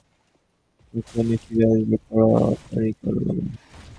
পারবো, বাবা ঠিক আছে - আমি এখুনি ফিরে আসব - তাড়াতাড়ি কর বাবা।